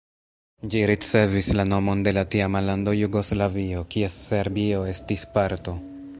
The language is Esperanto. Ĝi ricevis la nomon de la tiama lando Jugoslavio, kies Serbio estis parto.